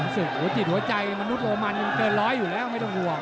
หัวจิตหัวใจมนุษย์โรมันเกินร้อยอยู่แล้วไม่ต้องห่วง